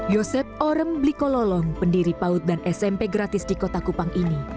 yosep orem blikololong pendiri paut dan smp gratis di kota kupang ini